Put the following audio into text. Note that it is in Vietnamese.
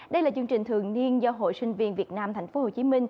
đây là chương trình thường niên do hội sinh viên việt nam tp hcm